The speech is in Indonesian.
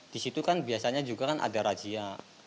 disitu kan biasanya juga kan ada rajia